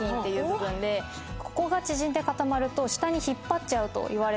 ここが縮んで固まると下に引っ張っちゃうといわれてるんですね。